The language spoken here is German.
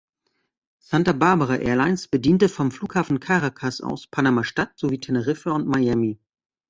Santa Barbara Airlines bediente vom Flughafen Caracas aus Panama-Stadt sowie Teneriffa und Miami.